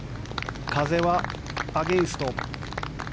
風はアゲンスト。